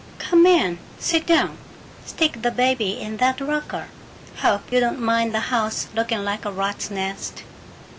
"Come in. Sit down. Stick the baby in that rocker. Hope you don't mind the house looking like a rat's nest.